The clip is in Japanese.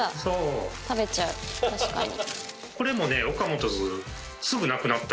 確かに。